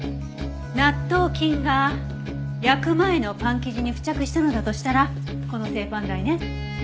納豆菌が焼く前のパン生地に付着したのだとしたらこの製パン台ね。